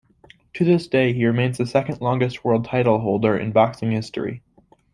To this day he remains the second longest world title holder in boxing history.